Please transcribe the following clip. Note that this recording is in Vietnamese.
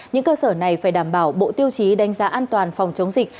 những cơ sở này phải đảm bảo bộ tiêu chí đánh giá an toàn phòng chống dịch